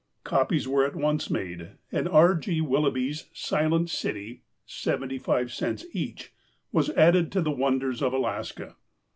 Copies were at once made, and R. G. Willoughby's Silent City (seventy five cents each) was added to the wonders of Alaska.